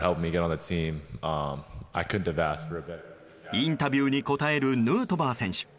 インタビューに答えるヌートバー選手。